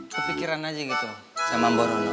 kepikiran aja gitu sama mbak borono